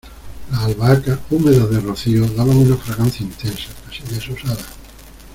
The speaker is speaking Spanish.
las albahacas, húmedas de rocío , daban una fragancia intensa , casi desusada